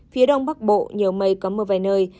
phía đông bắc bộ nhiều mây có mưa vài nơi